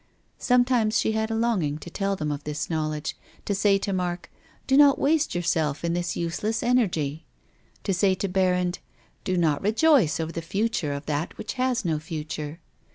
Sometimes she had a longing to tell them of this knowledge, to say to Mark, " Do not waste yourself in this useless energy !" to say to Ber rand, " Do not rejoice over the future of that which has no future."